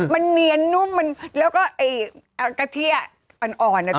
มันเนียนนุ่มแล้วก็กะเที่ยอ่อน